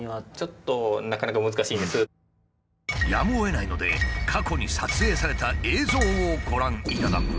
やむをえないので過去に撮影された映像をご覧いただこう。